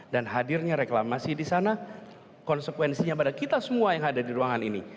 dan hadirnya reklamasi di sana konsekuensinya pada kita semua yang ada di ruangan ini